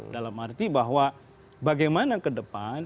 dalam arti bahwa bagaimana ke depan